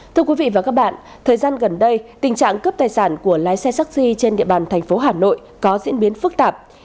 thưa quý vị và các bạn thời gian gần đây tình trạng cướp tài sản của lái xe taxi trên địa bàn thành phố hà nội có diễn biến phức tạp